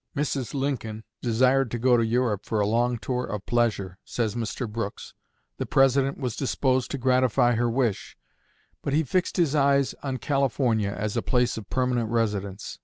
"Mrs. Lincoln desired to go to Europe for a long tour of pleasure," says Mr. Brooks. "The President was disposed to gratify her wish; but he fixed his eyes on California as a place of permanent residence.